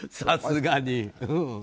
さすがに。